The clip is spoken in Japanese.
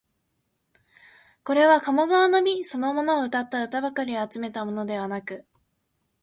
これは鴨川の美そのものをうたった歌ばかりを集めたものではなく、